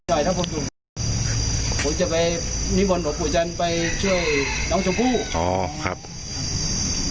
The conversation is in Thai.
แล้วมันโทรธูกรีกมีทหารฝาตรวาดเป็นทหารไปเฉียนให้